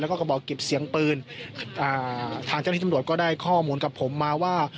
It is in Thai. แล้วก็กระบอกเก็บเสียงปืนอ่าทางเจ้าหน้าที่ตำรวจก็ได้ข้อมูลกับผมมาว่า